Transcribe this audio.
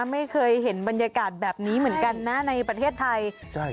ไม่เคยเห็นบรรยากาศแบบนี้เหมือนกันนะในประเทศไทย